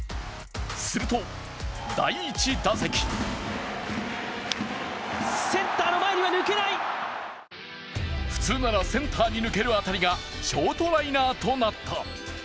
すると第１打席普通ならセンターに抜ける当たりがショートライナーとなった。